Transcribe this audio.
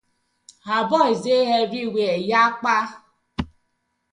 Our boyz dey everywhere yakpa.